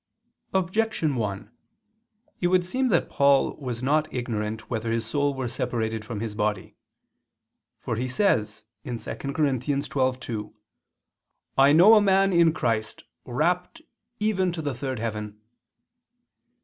Objection 1: It would seem that Paul was not ignorant whether his soul were separated from his body. For he says (2 Cor. 12:2): "I know a man in Christ rapt even to the third heaven."